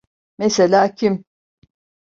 Mesela kim?